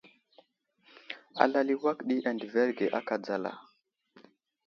Alal i awak di adəverge aka dzala.